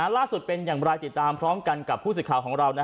ล่าสุดเป็นอย่างไรติดตามพร้อมกันกับผู้สื่อข่าวของเรา